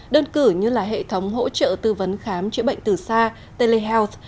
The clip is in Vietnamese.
đơn cử như là hệ thống hỗ trợ tư vấn khám chữa bệnh từ xa telehealth